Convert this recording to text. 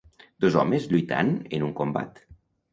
Dos homes lluitant en un combat.